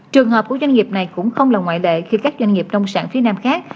trường hợp của doanh nghiệp này cũng không là ngoại lệ khi các doanh nghiệp nông sản phía nam khác